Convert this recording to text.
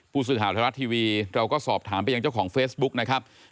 ภูมิสื่อหาวิทยาลัยรัฐทีวีเราก็สอบถามเป็นอย่างเจ้าของเฟสบุ๊กนะครับ